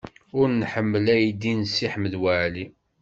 Ur nḥemmel aydi n Si Ḥmed Waɛli.